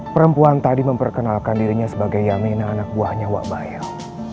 perempuan tadi memperkenalkan dirinya sebagai yamina anak buahnya wak bayal